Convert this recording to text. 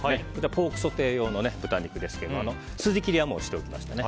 ポークソテー用の豚肉ですが筋切りはもうしておきました。